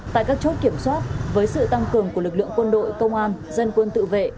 tại các chốt kiểm soát với sự tăng cường của lực lượng quân đội công an dân quân tự vệ